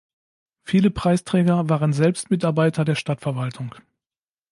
Viele Preisträger waren selbst Mitarbeiter der Stadtverwaltung.